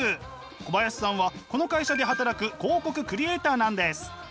小林さんはこの会社で働く広告クリエーターなんです。